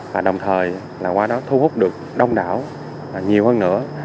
và đồng thời là qua đó thu hút được đông đảo nhiều hơn nữa